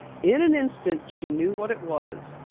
In an instant she knew what it was.